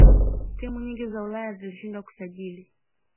timu nyingi za ulaya zilishindwa kusajili